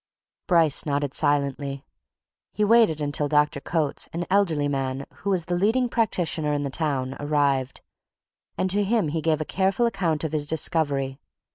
Bryce nodded silently. He waited until Dr. Coates, an elderly man who was the leading practitioner in the town, arrived, and to him he gave a careful account of his discovery.